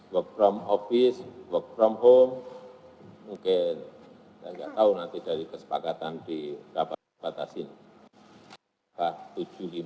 work from office work from home mungkin saya nggak tahu nanti dari kesepakatan di rapat terbatas ini